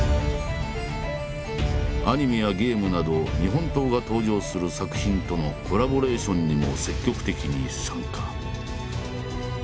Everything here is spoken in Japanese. アニメやゲームなど日本刀が登場する作品とのコラボレーションにも積極的に参加。